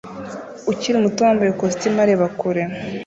ukiri muto wambaye ikositimu areba kure